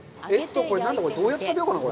これ、どうやって食べようかな？